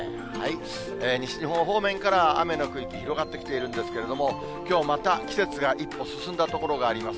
西日本方面から、雨の区域、広がってきているんですけれども、きょう、また季節が一歩進んだ所があります。